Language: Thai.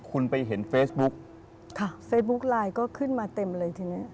คุณไปเห็นเฟซบุ๊กค่ะเฟซบุ๊กไลน์ก็ขึ้นมาเต็มเลยทีเนี้ย